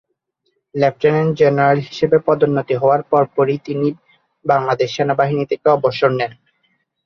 Lieutenant general হিসেবে পদোন্নতি হওয়ার পর পরই, তিনি বাংলাদেশ সেনাবাহিনী থেকে অবসর নেন।